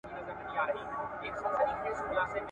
چي پرون مي وه لیدلې آشیانه هغسي نه ده !.